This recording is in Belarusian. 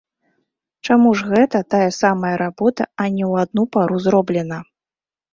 Чаму ж гэта тая самая работа, а не ў адну пару зроблена?